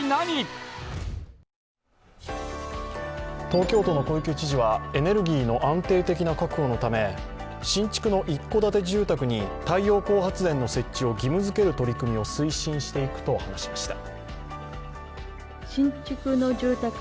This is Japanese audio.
東京都の小池知事はエネルギーの安定的な確保のため新築の一戸建て住宅に太陽光発電の設置を義務づける取り組みを推進していくと話しました。